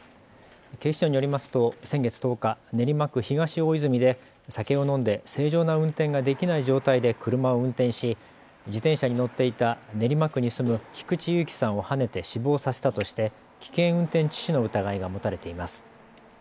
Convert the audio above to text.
警視庁によりますと先月１０日、練馬区東大泉で酒を飲んで正常な運転ができない状態で車を運転し自転車に乗っていた練馬区に住む菊地勇喜さんをはねて死亡させたとして危険運転致死の疑いが持たれています。